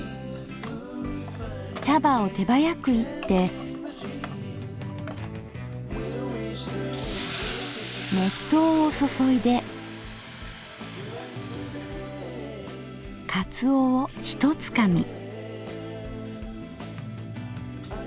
茶葉を手早く炒って熱湯を注いでかつおをひとつかみ。